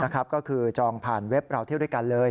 ก็คือจองผ่านเว็บเราเที่ยวด้วยกันเลย